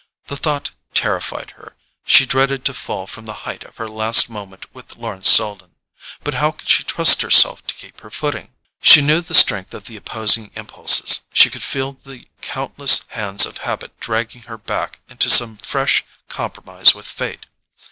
The thought terrified her—she dreaded to fall from the height of her last moment with Lawrence Selden. But how could she trust herself to keep her footing? She knew the strength of the opposing impulses—she could feel the countless hands of habit dragging her back into some fresh compromise with fate.